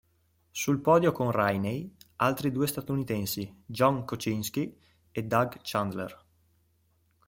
Sul podio con Rainey altri due statunitensi, John Kocinski e Doug Chandler.